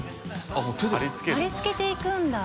はり付けていくんだ。